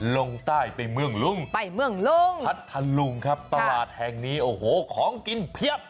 ลงใต้ไปเมืองลุงไปเมืองลุงพัทธลุงครับตลาดแห่งนี้โอ้โหของกินเพียบ